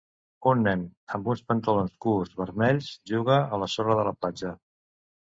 Un nen amb uns pantalons curts vermells juga a la sorra de la platja.